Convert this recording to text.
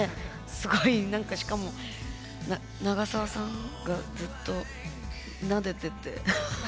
すごい何かしかも長澤さんがずっとなでてて犬を。